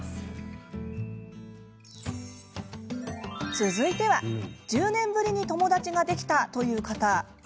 続いては、１０年ぶりに友達ができたという方。